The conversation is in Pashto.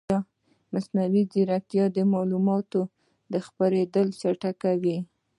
مصنوعي ځیرکتیا د معلوماتو خپرېدل چټکوي.